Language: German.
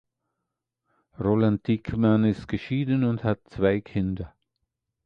Roland Dieckmann ist geschieden und hat zwei Kinder.